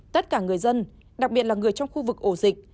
tất cả người dân đặc biệt là người trong khu vực ổ dịch